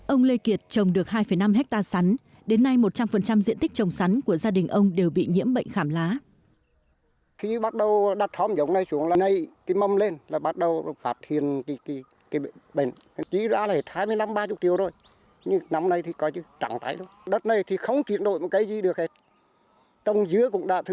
ông lê kiệt trồng được hai năm hectare sắn đến nay một trăm linh diện tích trồng sắn của gia đình ông đều bị nhiễm bệnh khảm lá